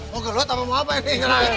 mau gelut mau apa ini